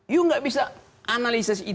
you gak bisa analisis itu